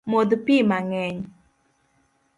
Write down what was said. Modh pii mang’eny